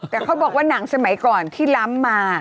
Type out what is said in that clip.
แต่เขาบอกว่าหนังสมัยก่อนที่ล้ำมา